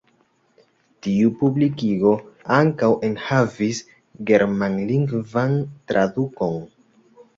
Tiu publikigo ankaŭ enhavis germanlingvan tradukon.